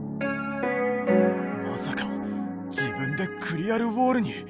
まさか自分でクリアルウォールに。